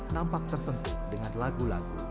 nampak tersentuh dengan lagu lagu